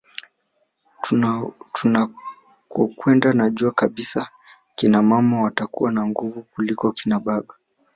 Tunakokwenda najua kabisa akina mama watakuwa na nguvu kuliko akina baba